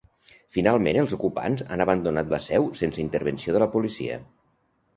Finalment, els ocupants han abandonat la seu sense intervenció de la policia.